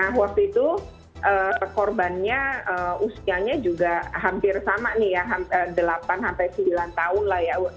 nah korbannya usianya juga hampir sama nih ya delapan sembilan tahun lah ya